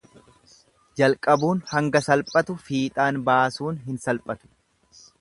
Jalqabuun hanga salphatu fiixaan baasuun hin salphatu.